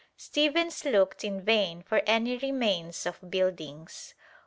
Stephens looked in vain for any remains of buildings.